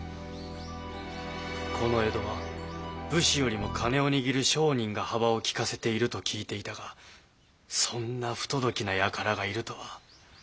この江戸は武士よりも金を握る商人が幅を利かせていると聞いていたがそんな不届きなやからがいるとは。